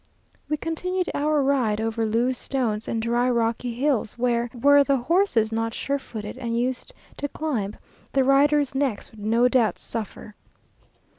We continued our ride over loose stones, and dry, rocky hills, where, were the horses not sure footed, and used to climb, the riders' necks would no doubt suffer.